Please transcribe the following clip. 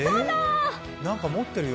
何か持ってるよ？